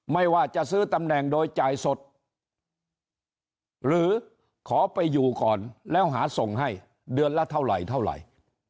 ไม่ว่าจะซื้อตำแหน่งโดยจ่ายสดหรือขอไปอยู่ก่อนแล้วหาส่งให้เดือนละเท่าไหร่เท่าไหร่